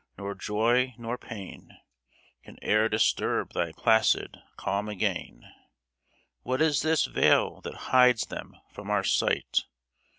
Nor joy nor pain Can e'er disturb thy placid calm again. What is this veil that hides thee from our sight